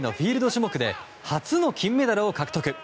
種目で初の金メダルを獲得。